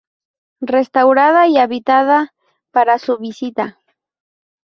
Restaurada y habilitada para su visita.